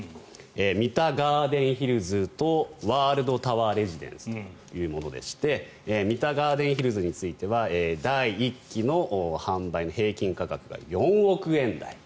三田ガーデンヒルズとワールドタワーレジデンスというものでして三田ガーデンヒルズについては第１期の販売の平均価格が４億円台。